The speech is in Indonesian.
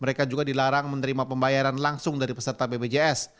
mereka juga dilarang menerima pembayaran langsung dari peserta bpjs